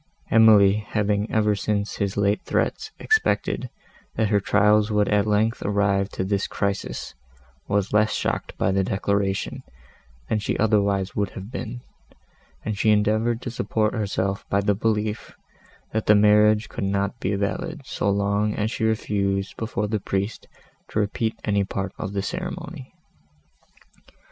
Emily, having, ever since his late threats, expected, that her trials would at length arrive to this crisis, was less shocked by the declaration, that she otherwise would have been, and she endeavoured to support herself by the belief, that the marriage could not be valid, so long as she refused before the priest to repeat any part of the ceremony.